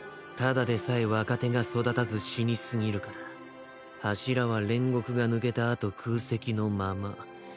ただでさえ若手が育たず死にすぎるから柱は煉獄が抜けた後空席のまま。